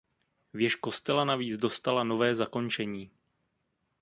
Věž kostela navíc dostala nové zakončení.